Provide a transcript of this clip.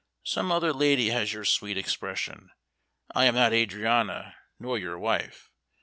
"Some other lady has your sweet expression; I am not Adriana nor your wife.